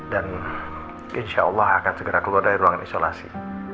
insya allah akan segera keluar dari ruangan isolasi